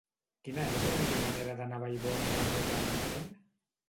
Quina és la millor manera d'anar a Vallbona d'Anoia amb tren?